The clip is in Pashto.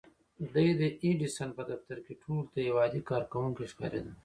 دی د ايډېسن په دفتر کې ټولو ته يو عادي کارکوونکی ښکارېده.